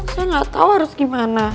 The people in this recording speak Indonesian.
saya gak tau harus gimana